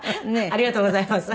ありがとうございます。